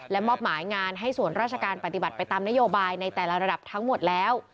และมอบหมายงานให้ส่วนราชการต่อไปบัตรนายกรูเบิ้ลแล้ว